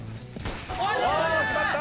お決まった！